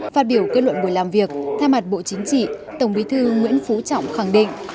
phát biểu kết luận buổi làm việc thay mặt bộ chính trị tổng bí thư nguyễn phú trọng khẳng định